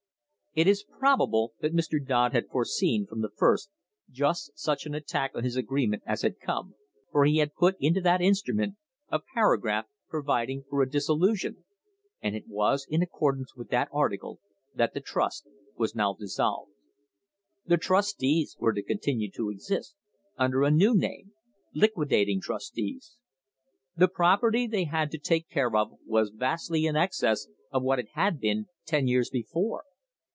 * It is probable that Mr. Dood had foreseen from the first just such an attack on his agreement as had come, for he had put into that instrument a paragraph providing for a disso lution, and it was in accordance with that article that the trust was now dissolved. The trustees were to continue to exist under a new name: "Liquidating trustees." The property they had to take care of was vastly in excess of what it had been ten years before.